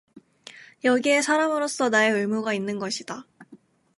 여기에 사람으로서 나의 의무가 있는 것이다.